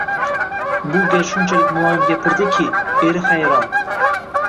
Bu gal shunchalik muloyim gapirdiki, eri hayron